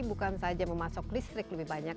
bukan saja memasok listrik lebih banyak